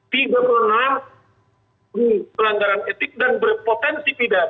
tiga puluh enam diduga melanggaran etik dan berpotensi pidana